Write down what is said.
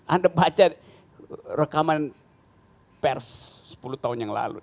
anda baca rekaman pers sepuluh tahun yang lalu